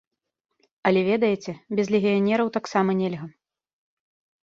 Але ведаеце, без легіянераў таксама нельга.